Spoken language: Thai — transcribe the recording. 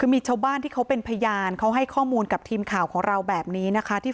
คือมีชาวบ้านที่เขาเป็นพยานเขาให้ข้อมูลกับทีมข่าวของเราแบบนี้นะคะ